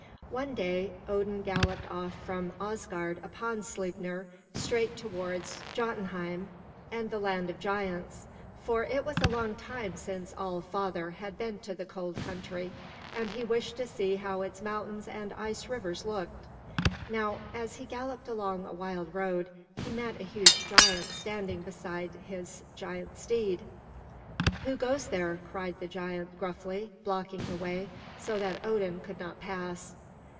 One day Odin galloped off from Asgard upon Sleipnir straight towards Jotunheim and the Land of Giants, for it was long since All Father had been to the cold country, and he wished to see how its mountains and ice rivers looked. Now as he galloped along a wild road, he met a huge giant standing beside his giant steed. "Who goes there?" cried the giant gruffly, blocking the way so that Odin could not pass.